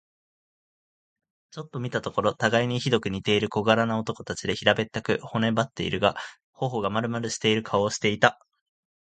ちょっと見たところ、たがいにひどく似ている小柄な男たちで、平べったく、骨ばってはいるが、頬がまるまるしている顔をしていた。